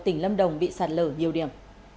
tỉnh lâm đồng bị sạt lở nhiều điểm